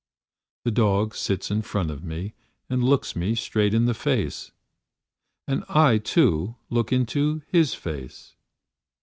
The dog sits in front of me, and looks me straight in the face. And I, too, look into his face.